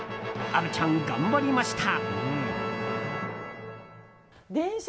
虻ちゃん、頑張りました。